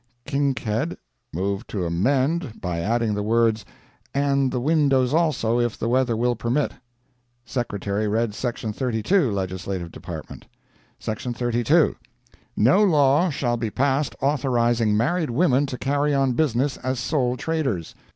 Kinkead moved to amend by adding the words "and the windows also, if the weather will permit." Secretary read Section 32, Legislative Department: "SECTION 32. No law shall be passed authorizing married women to carry on business as sole traders."